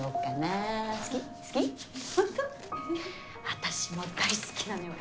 私も大好きなのよ